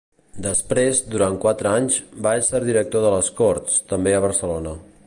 Després, durant quatre anys, va ésser director de les Corts, també a Barcelona.